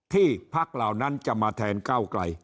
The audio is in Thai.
พักเหล่านั้นจะมาแทนเก้าไกล